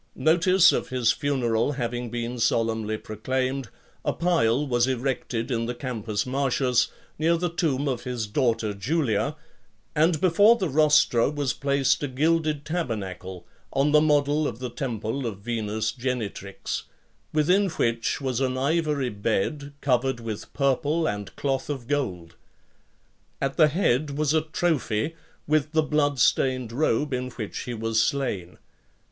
LXXXIV. Notice of his funeral having been solemnly proclaimed, a pile was erected in the Campus Martius, near the tomb of his daughter Julia; and before the Rostra was placed a gilded tabernacle, on the model of the temple of Venus Genitrix; within which was an ivory bed, covered with purple and cloth of gold. At the head was a trophy, with the [bloodstained] robe in which he was slain.